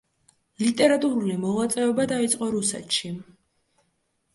ლიტერატურული მოღვაწეობა დაიწყო რუსეთში.